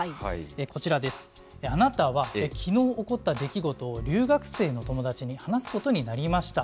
こちらです、あなたは、きのう起こった出来事を留学生の友達に話すことになりました。